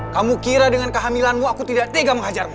kamu kira dengan kehamilanmu aku tidak tega menghajarmu